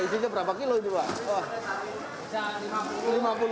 ini berapa kilo ini pak